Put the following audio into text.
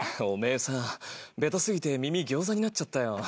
おめえさベタすぎて耳餃子になっちゃったよ。